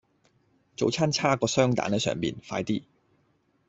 早餐差個雙蛋喺上面，快啲